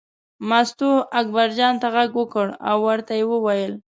مستو اکبرجان ته غږ وکړ او ورته یې وویل.